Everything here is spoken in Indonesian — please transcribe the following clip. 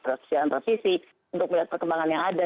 transisi untuk melihat perkembangan yang ada